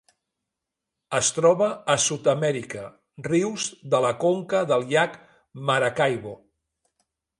Es troba a Sud-amèrica: rius de la conca del llac Maracaibo.